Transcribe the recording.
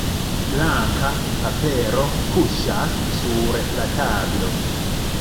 Blanka papero kuŝas sur la tablo.